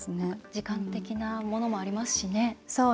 時間的なものもありますしね。